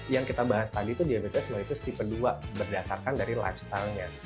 yang kita bahas tadi itu diabetes melitus tipe dua berdasarkan dari lifestylenya